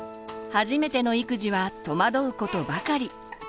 初めての育児は戸惑うことばかり。